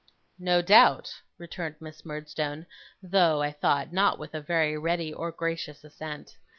'No doubt!' returned Miss Murdstone, though, I thought, not with a very ready or gracious assent.